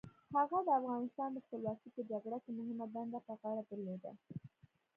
هغه د افغانستان د خپلواکۍ په جګړه کې مهمه دنده په غاړه درلوده.